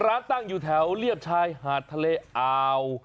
ร้านตั้งอยู่แถวเรียบชายหาดทะเลอ่าว